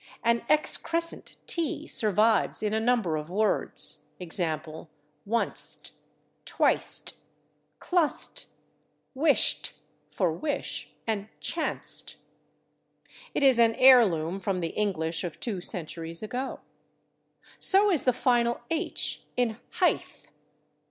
An excrescent /t/ survives in a number of words, /e. g./, /onc't/, /twic't/, /clos't/, /wisht/ (for /wish/) and /chanc't/; it is an heirloom from the English of two centuries ago. So is the final /h/ in /heighth